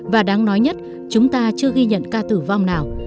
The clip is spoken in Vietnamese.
và đáng nói nhất chúng ta chưa ghi nhận ca tử vong nào